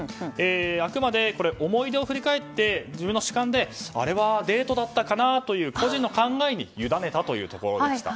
あくまで思い出を振り返って自分の主観であれはデートだったかなという個人の考えに委ねたというところでした。